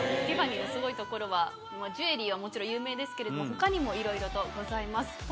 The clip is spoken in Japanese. ティファニーのすごいところはジュエリーはもちろん有名ですけれど他にもいろいろとございます。